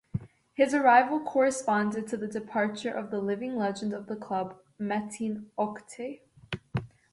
His arrival corresponded to the departure of the living legend of the club, Metin Oktay.